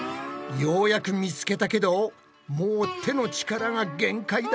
ようやく見つけたけどもう手の力が限界だ。